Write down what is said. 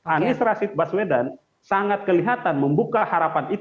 anies rashid baswedan sangat kelihatan membuka harapan itu